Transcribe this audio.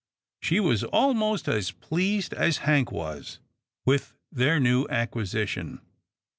She was almost as pleased as Hank was with their new acquisition.